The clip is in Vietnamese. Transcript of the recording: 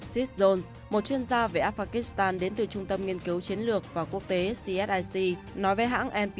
sid jones một chuyên gia về afghanistan đến từ trung tâm nghiên cứu chiến lược và quốc tế csic nói về hãng npr